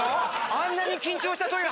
・あんなに緊張したトイレ